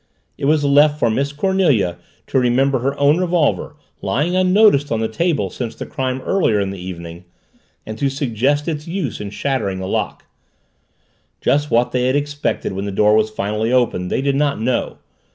It was left for Miss Cornelia to remember her own revolver, lying unnoticed on the table since the crime earlier in the evening, and to suggest its use in shattering the lock. Just what they had expected when the door was finally opened they did not know.